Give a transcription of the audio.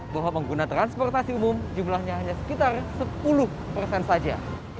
bahwa pengguna transportasi umum jumlahnya hanya sekitar sepuluh persen saja